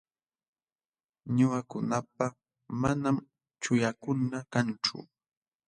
Ñuqakunapa manam chuqllakuna kanchu.